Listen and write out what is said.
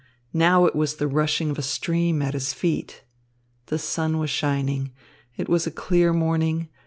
Now it was the rushing of a stream at his feet. The sun was shining. It was a clear morning.